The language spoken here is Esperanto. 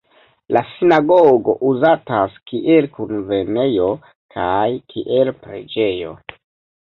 La sinagogo uzatas kiel kunvenejo kaj kiel preĝejo.